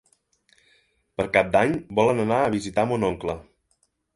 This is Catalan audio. Per Cap d'Any volen anar a visitar mon oncle.